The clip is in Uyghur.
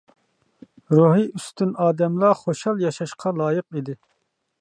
روھى ئۈستۈن ئادەملا خۇشال ياشاشقا لايىق ئىدى.